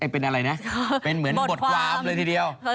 เป็นอะไรนะเป็นเหมือนบทความเลยทีเดียว